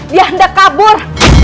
dia hendak kabur